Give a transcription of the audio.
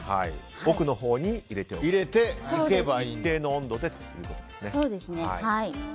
奥のほうに入れて一定の温度でということですね。